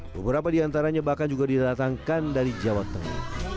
beberapa di antaranya bahkan juga dilatangkan dari jawa timur